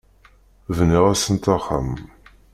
Bniɣ-asent axxam.